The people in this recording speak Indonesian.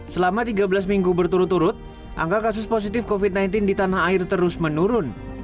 selama tiga belas minggu berturut turut angka kasus positif covid sembilan belas di tanah air terus menurun